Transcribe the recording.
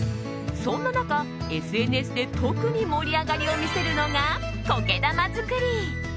そんな中、ＳＮＳで特に盛り上がりを見せるのが苔玉作り。